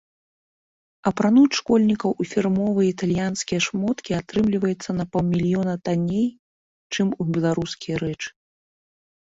Апрануць школьніка ў фірмовыя італьянскія шмоткі атрымліваецца на паўмільёна танней, чым у беларускія рэчы.